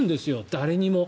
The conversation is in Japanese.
誰にも。